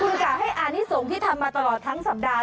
คุณกะให้อานิสงฆ์ที่ทำมาตลอดทั้งสัปดาห